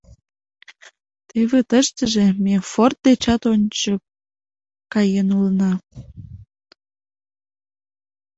Теве тыштыже ме Форд дечат ончык каен улына.